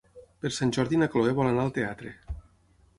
Per Sant Jordi na Cloè vol anar al teatre.